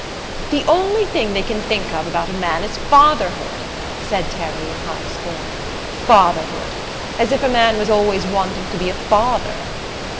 "The only thing they can think of about a man is Fatherhood!" said Terry in high scorn. "Fatherhood! As if a man was always wanting to be a _father!